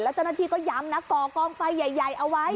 แล้วเจ้าหน้าที่ก็ย้ำกรองไฟใหญ่เอาไว้